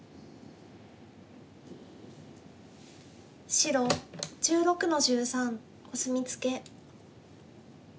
白１６の十三コスミツケ。